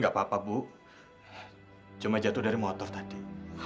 gak apa apa bu cuma jatuh dari motor tadi